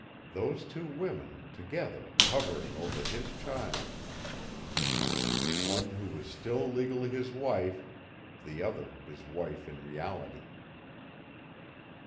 Those two women together hovering over his child, one who was still legally his wife, the other his wife in reality.